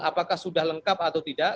apakah sudah lengkap atau tidak